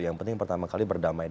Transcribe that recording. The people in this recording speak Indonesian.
yang penting pertama kali berdamai